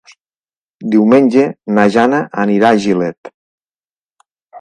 Diumenge na Jana anirà a Gilet.